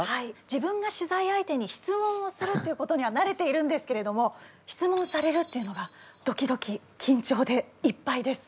自分が取材相手に質問をするっていうことにはなれているんですけれども質問されるっていうのがドキドキきんちょうでいっぱいです。